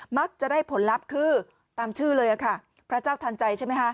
มักจะได้ผลลัพธ์คือตามชื่อเลยค่ะพระเจ้าทันใจใช่ไหมคะ